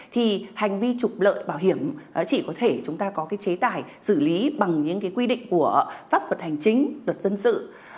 thì hành vi trục lợi bảo hiểm chỉ có thể chúng ta có cái chế tài xử lý bằng những cái quy định của pháp luật hành chính luật dân sự